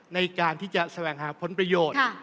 ในการที่จะแสวงหาผลประโยชน์